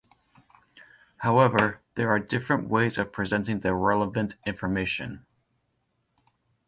However, there are different ways of presenting the relevant information.